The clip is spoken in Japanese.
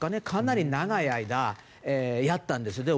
かなり長い間やったんです。